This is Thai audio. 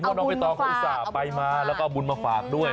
เพราะว่าน้องพี่ต้องอุตส่าห์ไปมาแล้วก็เอาบุญมาฝากด้วย